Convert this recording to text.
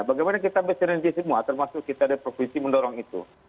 bagaimana kita bersinergi semua termasuk kita dari provinsi mendorong itu